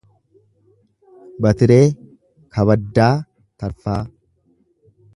Batiree Kabaddaa Tarfaa